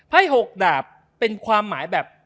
ไพ่หกดาบเป็นความหมายแบบ